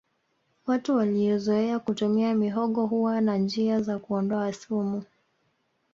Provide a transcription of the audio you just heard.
watu waliozoea kutumia mihogo huwa na njia za kuondoa sumu